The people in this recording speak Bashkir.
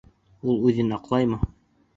Ул үҙен аҡлаймы?